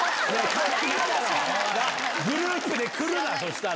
グループで来るな、そしたら。